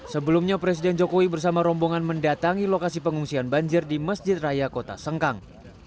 sebelumnya presiden jokowi bersama rombongan mendatangi lokasi pengungsian banjir di masjid raya kota sengkang